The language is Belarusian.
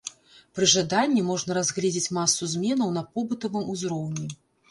Пры жаданні можна разгледзець масу зменаў на побытавым узроўні.